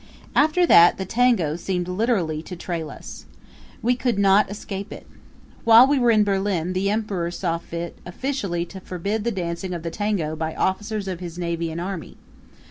After that the tango seemed literally to trail us. We could not escape it. While we were in Berlin the emperor saw fit officially to forbid the dancing of the tango by officers of his navy and army.